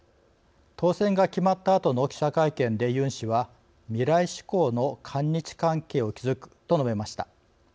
当選が決まったあとの記者会見でユン氏は未来志向の韓日関係を築くと述べました。